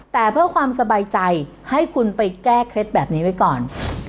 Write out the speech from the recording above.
แต่เพื่อความสบายใจให้คุณไปแก้เคล็ดแบบนี้ไว้ก่อน